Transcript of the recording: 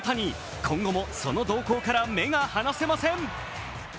今後もその動向から目が離せません。